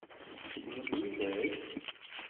Cewwlen-t widak?